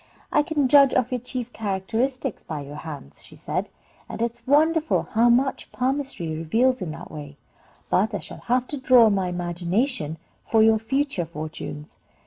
"I can judge of your chief characteristics by your hands," she said, "and it is wonderful how much palmistry reveals in that way; but I shall have to draw on my imagination for your future fortunes."